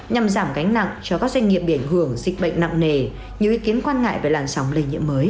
nhằm giảm gánh nặng cho các doanh nghiệp biển hưởng dịch bệnh nặng nề